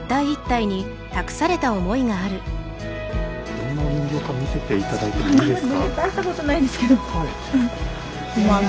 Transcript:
どんなお人形か見せていただいてもいいですか？